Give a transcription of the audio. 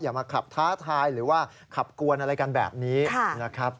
มาขับท้าทายหรือว่าขับกวนอะไรกันแบบนี้นะครับ